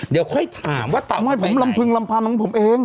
เดี๋ยวค่อยถามว่าเต่ากลับไปไหน